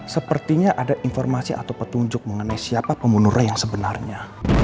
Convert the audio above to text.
sepertinya ada informasi atau petunjuk mengenai siapa pembunurnya yang sebenarnya